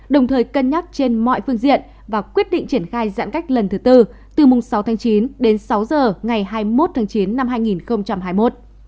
đồng thời cân nhắc trên mọi phương diện và quyết định triển khai giãn cách lần thứ tư từ mùng sáu tháng chín đến sáu giờ ngày hai mươi một tháng chín năm hai nghìn hai mươi một